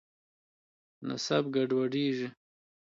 نسب ګډوډېږي.